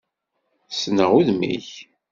Ssneɣ udem-ik.